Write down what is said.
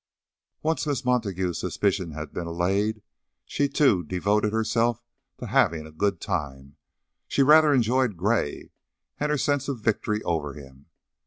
Once Miss Montague's suspicions had been allayed, she, too, devoted herself to having a good time. She rather enjoyed Gray and her sense of victory over him.